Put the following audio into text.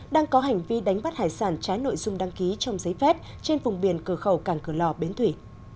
đang có hành vi đánh bắt hải sản trái nội dung đăng ký trong giấy phép trên vùng biển cửa khẩu càng cửa lò bến thủy